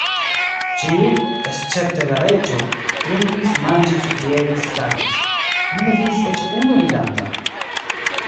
Ĉiuj, escepte la Reĝo, trinkis, manĝis, kriegis, saltis: mi ne vidis eĉ unu ridanta.